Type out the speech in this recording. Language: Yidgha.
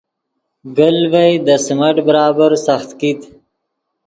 گیل ڤئے دے سیمنٹ برابر سخت کیت